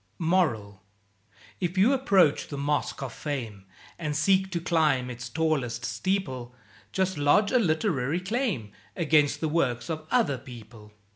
MORAL If you approach the Mosque of Fame, And seek to climb its tallest steeple, Just lodge a literary claim Against the works of other people.